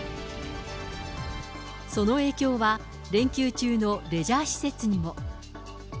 その影響は連休中のレジャー施設にも。